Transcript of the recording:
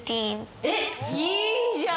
えっ、いいじゃん。